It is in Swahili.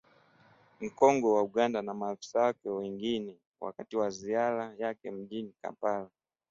mkongwe wa Uganda na maafisa wengine wakati wa ziara yake mjini kampala